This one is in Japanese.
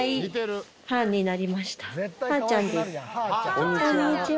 こんにちは。